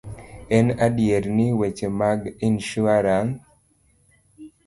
En adier ni, weche mag insuaran